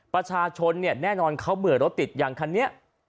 ประชาชนเนี่ยแน่นอนเขาเบื่อรถติดอย่างคันนี้